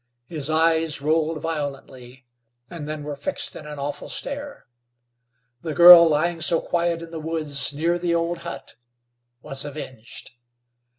His eyes rolled violently and then were fixed in an awful stare. The girl lying so quiet in the woods near the old hut was avenged!